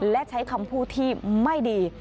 และใช้คำพูดที่ไม่ดี